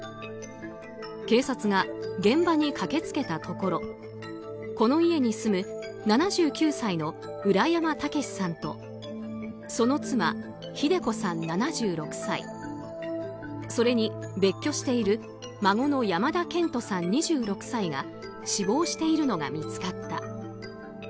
警察が現場に駆け付けたところこの家に住む７９歳の浦山毅さんとその妻・秀子さん、７６歳それに別居している孫の山田健人さん、２６歳が死亡しているのが見つかった。